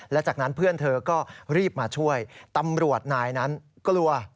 และจากนั้นเพื่อนเธอก็รีบมาช่วยตำรวจนายนั้นกลัว